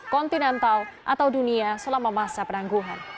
kontinental atau dunia selama masa penangguhan